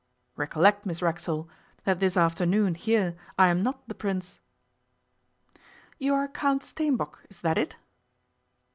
'Recollect, Miss Racksole, that this afternoon, here, I am not the Prince.' 'You are Count Steenbock, is that it?